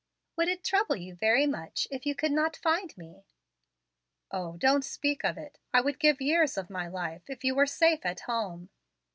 "Would it trouble you very much if you could not find me?" "O, don't speak of it! I would give years of my life if you were safe at home."